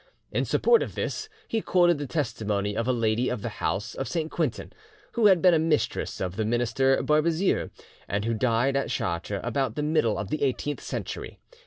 In support of this, he quoted the testimony of a lady of the house of Saint Quentin who had been a mistress of the minister Barbezieux, and who died at Chartres about the middle of the eighteenth century.